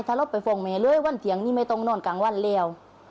ถ้ารถไปฟ้องแม่เลยวันเถียงนี่ไม่ต้องนอนกลางวันแล้ว